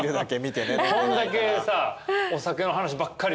こんだけさお酒の話ばっかりしてさ。